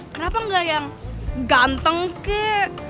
kenapa enggak yang ganteng kek